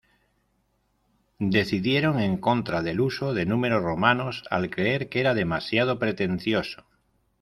Decidieron en contra del uso de números romanos, al creer que era demasiado pretencioso.